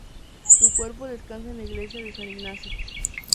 Su cuerpo descansa en la Iglesia de San Ignacio